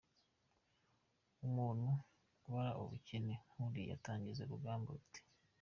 Umuntu ubara ubukeye nk’uriya atangiza urugamba ate?